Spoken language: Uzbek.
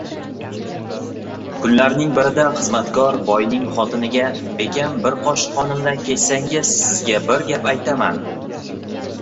Kunlarning birida xizmatkor boyning xotiniga: “Bekam, bir qoshiq qonimdan kechsangiz, sizga bir gap aytaman.